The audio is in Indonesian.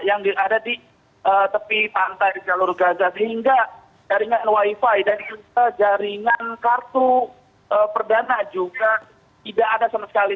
yang ada di tepi pantai jalur gaza sehingga jaringan wifi dan jaringan kartu perdana juga tidak ada sama sekali